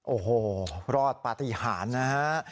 โอ้โหรอดปฏิหารนะฮะ